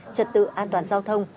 trật tự an toàn giao thông